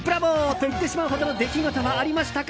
と言ってしまうほどの出来事はありましたか？